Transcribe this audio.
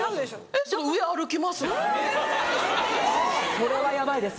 ・それはヤバいです。